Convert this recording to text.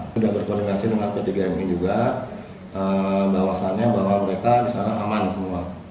sudah berkoordinasi dengan p tiga mi juga bahwasannya bahwa mereka di sana aman semua